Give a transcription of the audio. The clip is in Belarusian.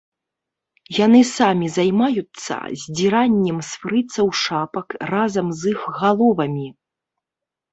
Яны самі займаюцца здзіраннем з фрыцаў шапак разам з іх галовамі.